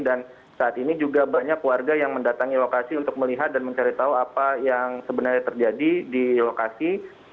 dan saat ini juga banyak warga yang mendatangi lokasi untuk melihat dan mencari tahu apa yang sebenarnya terjadi di lokasi